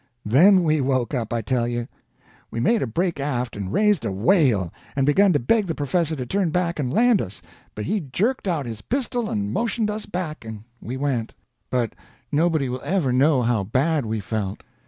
Then we woke up, I tell you! We made a break aft and raised a wail, and begun to beg the professor to turn back and land us, but he jerked out his pistol and motioned us back, and we went, but nobody will ever know how bad we felt.